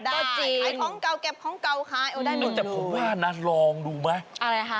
โกจิขายของเก่าเก็บของเก่าขายเอาได้ไหมแต่ผมว่านะลองดูไหมอะไรคะ